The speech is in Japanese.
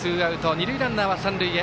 二塁ランナーは三塁へ。